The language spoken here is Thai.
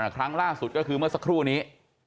ครั้งล่าสุดก็คือเมื่อสักครู่นี้